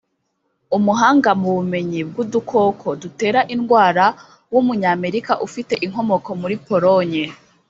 umuhanga mu bumenyi bw’udukoko dutera indwara w’umunyamerika ufite inkomoko muri Pologne